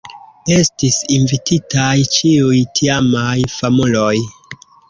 Estis invititaj ĉiuj tiamaj famuloj.